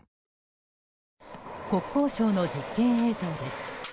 国交省の実験映像です。